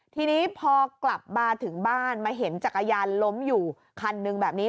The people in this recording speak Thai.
ทีนี้พอกลับมาถึงบ้านมาเห็นจักรยานล้มอยู่คันนึงแบบนี้